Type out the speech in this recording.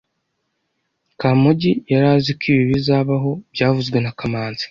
Kamugi yari azi ko ibi bizabaho byavuzwe na kamanzi